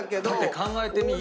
考えてみ？